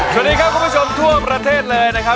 สวัสดีครับคุณผู้ชมทั่วประเทศเลยนะครับ